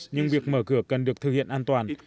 nhưng việc mở cửa cần được thực hiện an toàn